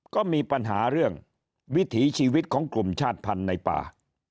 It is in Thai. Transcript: ก็มีปัญหาเรื่องวิถีชีวิตของกลุ่มชาติพันธุ์ในป่า